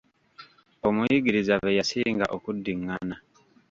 Omuyigiriza bye yasinga okuddingana.